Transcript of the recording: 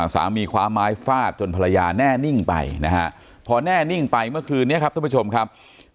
คว้าไม้ฟาดจนภรรยาแน่นิ่งไปนะฮะพอแน่นิ่งไปเมื่อคืนนี้ครับท่านผู้ชมครับ